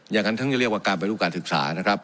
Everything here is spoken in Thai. อย่างนั้นถึงจะเรียกว่าการปฏิรูปการศึกษานะครับ